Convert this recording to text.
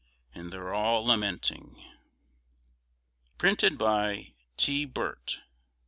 And they're all lamenting. Printed by T. BIRT, No.